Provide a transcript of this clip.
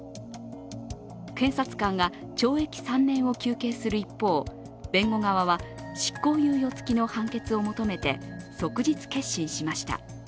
検察官が懲役３年を求刑する一方、弁護側は、執行猶予付きの判決を求めて即日結審しました。